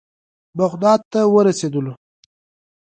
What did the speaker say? بغداد ته ورسېدلو.